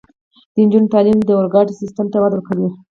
د نجونو تعلیم د اورګاډي سیستم ته وده ورکوي.